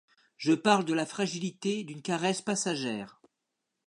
Je parle de la fragilité d'une caresse passagère.